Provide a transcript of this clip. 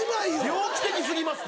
猟奇的過ぎますって。